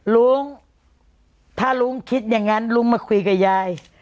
ลุงถ้าลุงคิดอย่างนั้นลุงมาคุยกับยาย